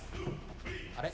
あれ？